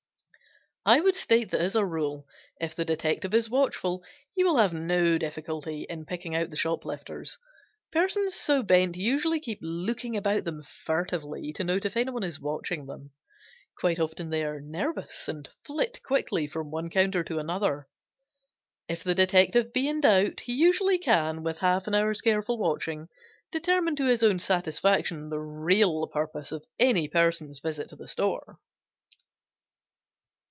I would state that as a rule if the detective is watchful he will have no difficulty in picking out the shoplifters. Persons so bent usually keep looking about them furtively to note if anyone is watching them. Quite often they are nervous and flit quickly from one counter to another. If the detective be in doubt he usually can, with half an hour's careful watching, determine to his own satisfaction the real purpose of any person's visit to the store.